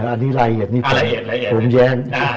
อันนี้ละเอียดผมแย้ง